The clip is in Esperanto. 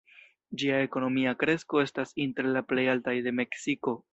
Ĝia ekonomia kresko estas inter la plej altaj de Meksiko.